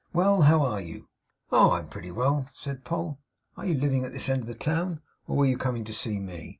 Well! How are you?' 'Oh! I'm pretty well,' said Poll. 'Are you living at this end of the town, or were you coming to see me?